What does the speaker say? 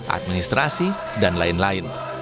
administrasi dan lain lain